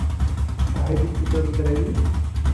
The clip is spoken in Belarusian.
А гэты сцізорык дарагі?